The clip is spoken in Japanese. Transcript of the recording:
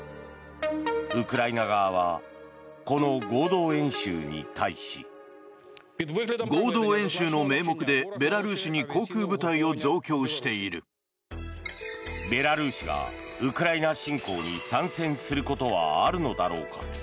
ウクライナ側はこの合同演習に対し。ベラルーシがウクライナ侵攻に参戦することはあるのだろうか。